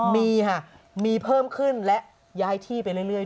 มีค่ะมีเพิ่มขึ้นและย้ายที่ไปเรื่อย